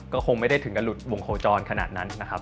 ก็คงไม่ได้ถึงกับหลุดวงโคจรขนาดนั้นนะครับ